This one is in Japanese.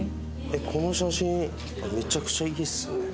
この写真めちゃくちゃいいですね。